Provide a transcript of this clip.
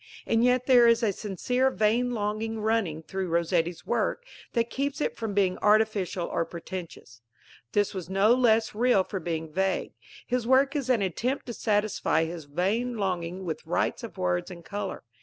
And yet there is a sincere vain longing running through Rossetti's work that keeps it from being artificial or pretentious. This was no less real for being vague. His work is an attempt to satisfy his vain longing with rites of words and colour.